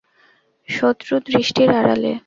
শত্রু দৃষ্টির আড়ালে!